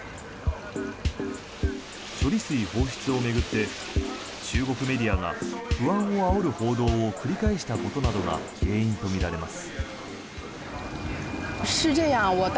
処理水放出を巡って中国メディアが不安をあおる報道を繰り返したことなどが原因とみられます。